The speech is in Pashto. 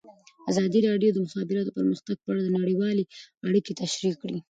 ازادي راډیو د د مخابراتو پرمختګ په اړه نړیوالې اړیکې تشریح کړي.